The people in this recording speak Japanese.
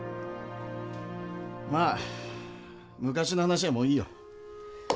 まあ昔の話はもういいよ。